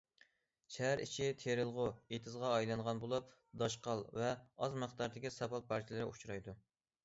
شەھەر ئىچى تېرىلغۇ ئېتىزغا ئايلانغان بولۇپ، داشقال ۋە ئاز مىقداردىكى ساپال پارچىلىرى ئۇچرايدۇ.